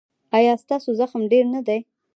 ایا ستاسو زغم ډیر نه دی؟